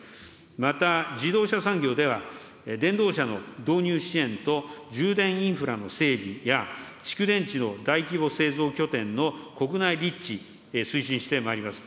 また自動車産業では、電動車の導入支援と、充電インフラの整備や、蓄電池の大規模製造拠点の国内立地、推進してまいります。